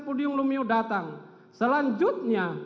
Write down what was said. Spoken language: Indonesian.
pudihang lumiu datang selanjutnya